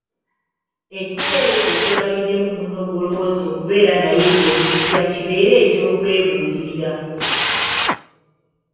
Ekiseera ekyo ky'olabiddemu munno gw'olowooza okubeera naye gye bujja kibeere eky'okwebuulirira.